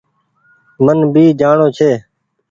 من ڀي جآڻو ڇي۔